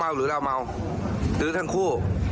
เขามอวหรือเรามอวซื้อทั้งคู่